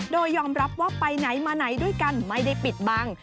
โดยยอมรับว่าไปไหนมาไหนด้วยกันไม่ได้ปิดบัง